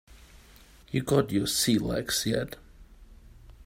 You got your sea legs yet?